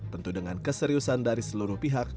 tentu dengan keseriusan dari seluruh pihak